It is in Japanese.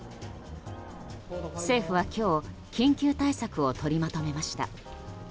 政府は今日緊急対策を取りまとめました。